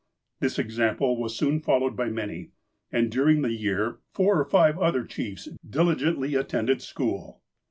This example was soon followed by many. And, during the year, four or five other chiefs diligently attended school.